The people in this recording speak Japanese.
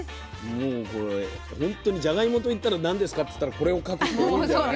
もうこれほんとにじゃがいもといったら何ですかっつったらこれを描く人多いんじゃない？